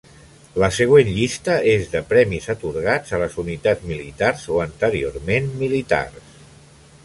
La següent llista és de premis atorgats a les unitats militars o anteriorment militars.